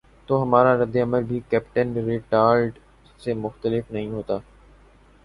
تو ہمارا رد عمل بھی کیپٹن رینالٹ سے مختلف نہیں ہوتا۔